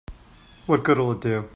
What good'll it do?